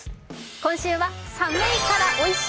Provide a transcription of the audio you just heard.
今週は「寒いからおいしい！